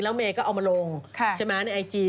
แล้วเมก็เอามาลงใช่ไหมในไอจี